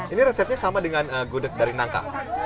ini resepnya sama dengan gudeg dari nangka